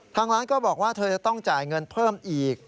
ทางร้านก็บอกว่าเธอจะต้องจ่ายเงินเพิ่มอีก